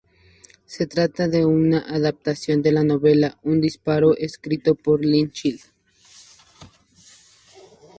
Se trata de una adaptación de la novela "Un disparo", escrita por Lee Child.